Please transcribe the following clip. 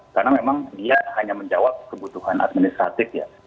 karena memang dia hanya menjawab kebutuhan administratif ya